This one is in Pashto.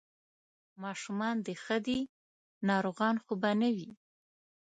ماشومان دې ښه دي، ناروغان خو به نه وي؟